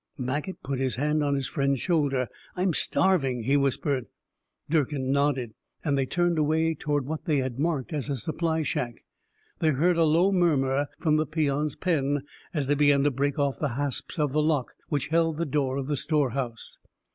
Maget put his hand on his friend's shoulder. "I'm starving," he whispered. Durkin nodded, and they turned away, toward what they had marked as a supply shack. They heard a low murmur from the peons' pen, as they began to break off the hasps of the lock which held the door of the storehouse.